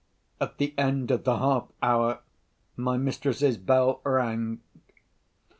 At the end of the half hour, my mistress's bell rang.